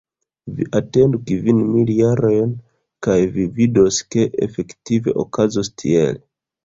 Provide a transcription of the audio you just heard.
Vi atendu kvin mil jarojn, kaj vi vidos, ke efektive okazos tiel.